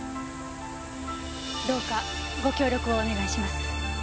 どうかご協力をお願いします。